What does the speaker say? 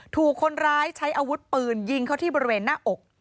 ถูกคนร้ายใช้อาวุธปืนยิงเขาที่บริเวณหน้าอก